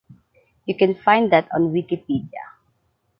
You can find that on Wikipedia.